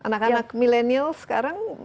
anak anak milenial sekarang